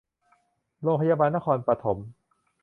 โรงพยาบาลนครปฐม